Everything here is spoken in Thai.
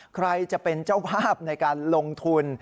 ใครจะเป็นเจ้าภาพในการลงทุน